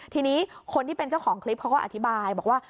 ทีนี้คนที่เป็นเจ้าของคลิปเขาก็อธิบายบอกว่า